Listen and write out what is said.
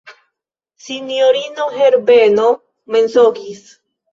Sinjorino Herbeno mensogis.